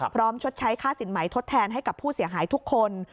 ชดใช้ค่าสินใหม่ทดแทนให้กับผู้เสียหายทุกคน